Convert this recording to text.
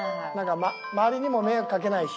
周りにも迷惑かけないし。